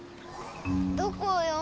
どこよ？